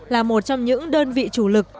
là một trong những đơn vị chủ lực